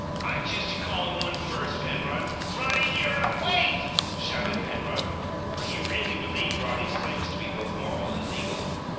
I choose to call him one first, Penrod. Roddy, you're a " "Wait!" shouted Penrod, for he really believed Roddy's claims to be both moral and legal.